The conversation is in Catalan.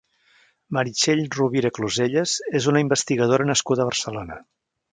Meritxell Rovira Clusellas és una investigadora nascuda a Barcelona.